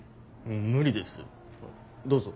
無理ですどうぞ。